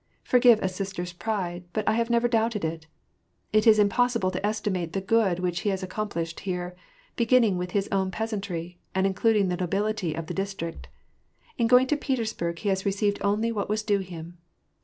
Forgive a sitter's pride, but I have never doubted it. It is impossible to estimate the good which he has accomplished here: beginning with his own peas antry, and including the nobility of the district. In going to Peters* bui^, he has received only what was due him.